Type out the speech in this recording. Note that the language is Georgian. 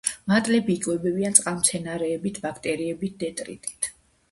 მატლები იკვებებიან წყალმცენარეებით, ბაქტერიებით, დეტრიტით.